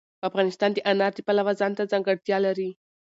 افغانستان د انار د پلوه ځانته ځانګړتیا لري.